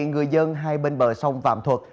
người dân hai bên bờ sông vạm thuật